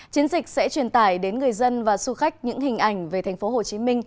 chiến dịch sẽ truyền tải đến người dân và du khách những hình ảnh về tp hcm